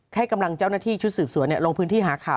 ให้กำลังเจ้าหน้าที่ชุดสืบสวนลงพื้นที่หาข่าว